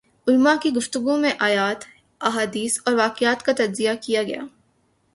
علماء کی گفتگو میں آیات ، احادیث اور واقعات کا تجزیہ کیا گیا